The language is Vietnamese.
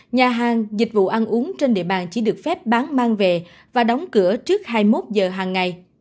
nhà hàng dịch vụ ăn uống trên địa bàn chỉ được phép bán mang về và đóng cửa trước hai mươi một giờ hàng ngày